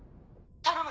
頼む。